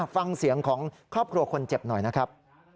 ฟังเสียงของครอบครัวคนเจ็บหน่อยนะครับ